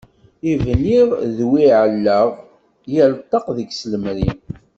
I bniɣ d wi ɛellaɣ, yal ṭṭaq deg-s lemri.